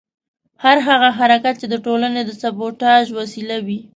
هر هغه حرکت چې د ټولنې د سبوټاژ وسیله وي.